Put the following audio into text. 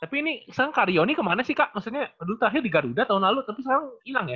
tapi ini saya karyoni kemana sih kak maksudnya dulu terakhir di garuda tahun lalu tapi sekarang hilang ya